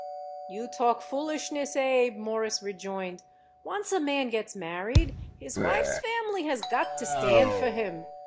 "You talk foolishness, Abe," Morris rejoined. "Once a man gets married, his wife's family has got to stand for him.